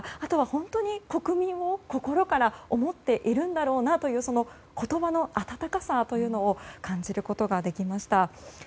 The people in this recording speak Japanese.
本当に国民を心から思っているんだろうなという言葉の温かさを感じることができました。